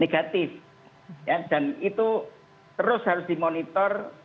negatif dan itu terus harus dimonitor